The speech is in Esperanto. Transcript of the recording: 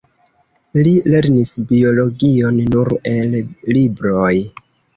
Li lernis biologion nur el libroj.